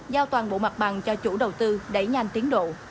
giao toàn bộ mặt bằng cho chủ đầu tư đẩy nhanh tiến độ